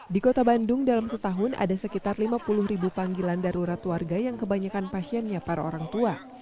di kota bandung dalam setahun ada sekitar lima puluh ribu panggilan darurat warga yang kebanyakan pasiennya para orang tua